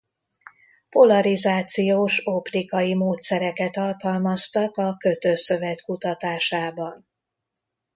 Polarizációs optikai módszereket alkalmaztak a kötőszövet kutatásában.